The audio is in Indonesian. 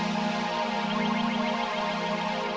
sampai jumpa lagi